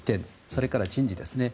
それから人事ですね。